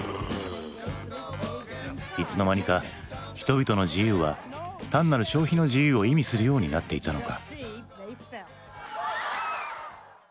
いつの間にか人々の自由は単なる消費の自由を意味するようになっていたのか？